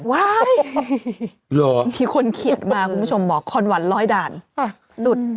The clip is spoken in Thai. ว้ายทีคนเขียนมาคุณผู้ชมบอกคอนบาล๑๐๐ดาลสุด